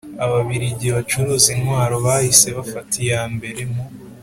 ababiligi bacuruza intwaro bahise bafata iya mbere mu